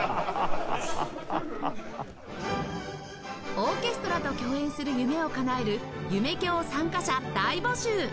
オーケストラと共演する夢をかなえる「夢響」参加者大募集